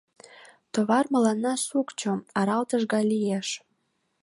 Товар мыланна сукчо, аралтыш гай лиеш.